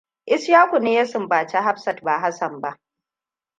Ishaku ne ya sumbaci Hafsat, ba Hassan ba.